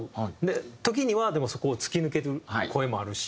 時にはでもそこを突き抜ける声もあるし。